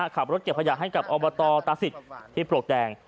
ขับรถเก็บขยะให้กับอวบตตรสิทธิ์ที่โปรดแดง